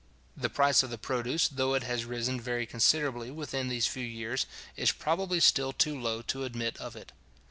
The price of the produce, though it has risen very considerably within these few years, is probably still too low to admit of it.